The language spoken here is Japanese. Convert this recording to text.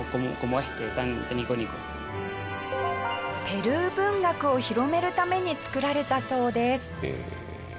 ペルー文学を広めるために作られたそうです。